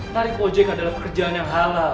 tarik ojek adalah pekerjaan yang halal